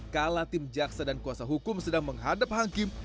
kala tim jaksa dan kuasa hukum sedang menghadap hakim